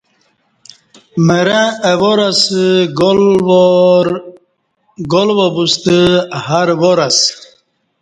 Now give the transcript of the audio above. مرں اہ وار اسہ گال وابوستہ الوار اسہ